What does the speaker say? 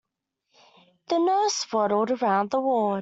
The nurse waddled around the ward.